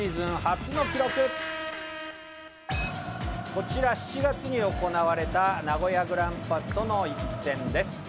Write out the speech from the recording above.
こちら７月に行われた名古屋グランパスとの一戦です。